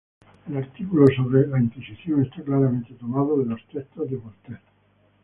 El artículo sobre la Inquisición está claramente tomado de los textos de Voltaire.